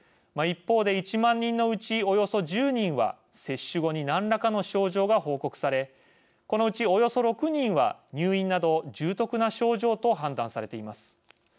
一方で、１万人のうちおよそ１０人は接種後に何らかの症状が報告されこのうち、およそ６人は入院など重篤な症状と判断されています。